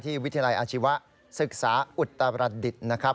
วิทยาลัยอาชีวศึกษาอุตรดิษฐ์นะครับ